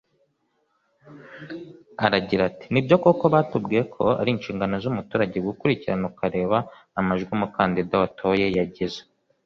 Aragira ati” ni byo koko batubwiye ko ari inshingano z’umuturage gukurikirana ukareba amajwi umukandida watoye yagize